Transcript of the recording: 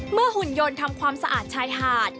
หุ่นยนต์ทำความสะอาดชายหาด